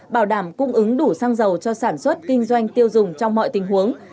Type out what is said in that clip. bảo đảm cung ứng đủ xăng dầu cho sản xuất kinh doanh tiêu dùng trong mọi tình huống